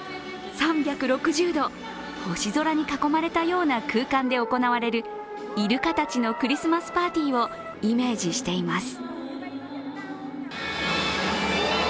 ３６０度、星空に囲まれたような空間で行われるイルカたちのクリスマスパーティーをイメージしています。